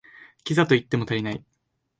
キザと言っても足りない